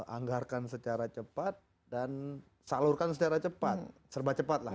anggarkan secara cepat dan salurkan secara cepat serba cepat lah